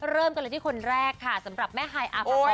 เริ่มกันเลยที่คนแรกค่ะสำหรับแม่ฮายอาภากร